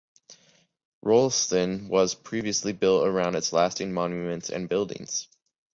Rolleston was previously built around its lasting monuments and buildings.